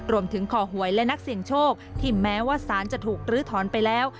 ขอหวยและนักเสี่ยงโชคที่แม้ว่าสารจะถูกลื้อถอนไปแล้ว